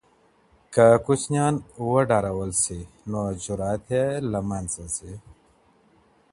که ماشوم وډارول سي نو جुरت یې له منځه ځي.